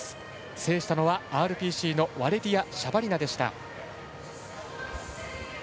制したのはＲＰＣのワレリヤ・シャバリナでした。